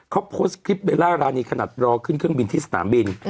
เขาโพสต์คลิปเบลล่ารานีขนาดรอขึ้นเครื่องบินที่สนามบิน